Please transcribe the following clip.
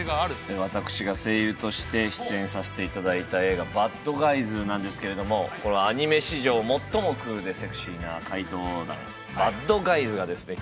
私が声優として出演させていただいた映画「バッドガイズ」なんですけれどもこのアニメ史上最もクールでセクシーな怪盗団バッドガイズがですね